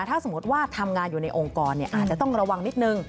ถ้าสมมติว่าทำงานอยู่ในองค์กรอาจจะต้องระวังนิดนึง